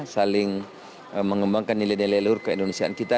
saling mengembangkan nilai nilai lelur ke indonesiaan kita